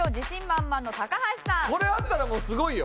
これ合ったらもうすごいよ。